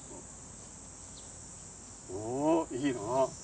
おおいいな。